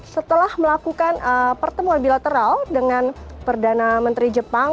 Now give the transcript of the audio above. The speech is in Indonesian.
setelah melakukan pertemuan bilateral dengan perdana menteri jepang